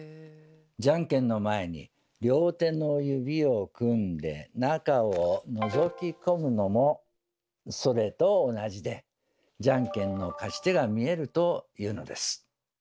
じゃんけんの前に両手の指を組んで中をのぞき込むのもそれと同じでじゃんけんの勝ち手が見えるというのです。